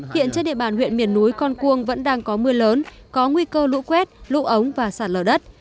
hiện trên địa bàn huyện miền núi con cuông vẫn đang có mưa lớn có nguy cơ lũ quét lũ ống và sạt lở đất